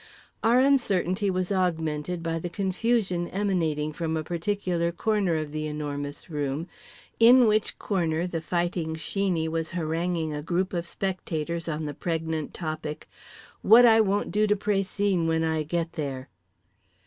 Our uncertainty was augmented by the confusion emanating from a particular corner of The Enormous Room, in which corner The Fighting Sheeney was haranguing a group of spectators on the pregnant topic: What I won't do to Précigne when I get there.